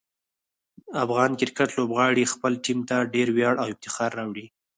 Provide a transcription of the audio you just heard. د افغان کرکټ لوبغاړي خپل ټیم ته ډېر ویاړ او افتخار راوړي.